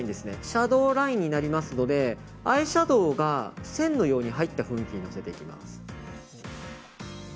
シャドーラインになりますのでアイシャドーが線のように入った雰囲気でのせていきます。